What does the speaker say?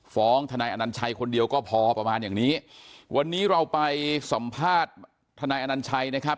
ทนายอนัญชัยคนเดียวก็พอประมาณอย่างนี้วันนี้เราไปสัมภาษณ์ทนายอนัญชัยนะครับ